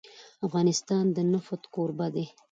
افغانستان د نفت کوربه دی.